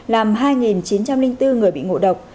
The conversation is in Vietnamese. làm hai chín trăm linh bốn người bị ngộ độc